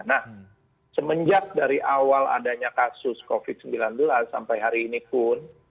nah semenjak dari awal adanya kasus covid sembilan belas sampai hari ini pun